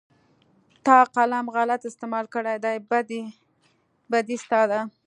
تا قلم غلط استعمال کړى دى بدي ستا ده.